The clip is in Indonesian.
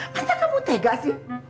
masa kamu tega sih